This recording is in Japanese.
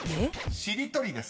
［しりとりです。